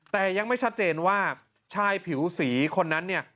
แต่ยังไม่ชัดเจนว่าชายผิวสีคนนั้นเนี่ย